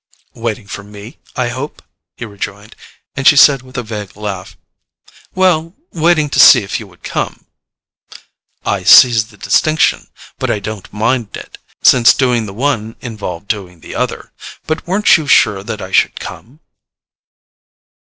"Waiting for me, I hope?" he rejoined; and she said with a vague laugh: "Well—waiting to see if you would come." "I seize the distinction, but I don't mind it, since doing the one involved doing the other. But weren't you sure that I should come?"